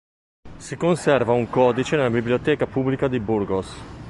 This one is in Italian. Si conserva un codice nella Biblioteca Pubblica di Burgos.